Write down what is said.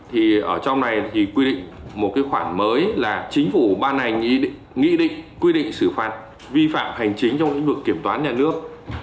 thì ở trong này thì quy định một cái khoản mới là chính phủ ban hành nghị định quy định xử phạt vi phạm hành chính trong lĩnh vực kiểm toán nhà nước